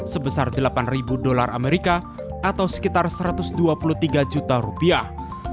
sebesar delapan ribu dolar amerika atau sekitar satu ratus dua puluh tiga juta rupiah